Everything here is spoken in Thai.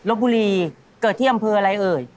บบุรีเกิดที่อำเภออะไรเอ่ย